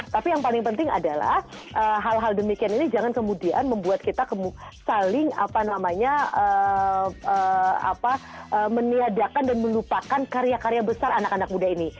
tapi yang paling penting adalah hal hal demikian ini jangan kemudian membuat kita saling meniadakan dan melupakan karya karya besar anak anak muda ini